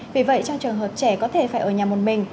vì vậy trong trường hợp trẻ có thể phải ở nhà một mình